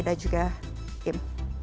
ada juga im